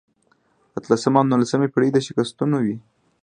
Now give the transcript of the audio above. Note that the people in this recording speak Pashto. اتلسمه او نولسمه پېړۍ د شکستونو وې.